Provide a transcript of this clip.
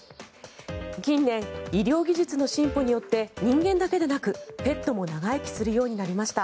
近年、医療技術の進歩によって人間だけでなく、ペットも長生きするようになりました。